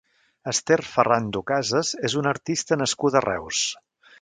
Ester Ferrando Casas és una artista nascuda a Reus.